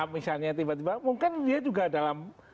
misalnya tiba tiba mungkin dia juga dalam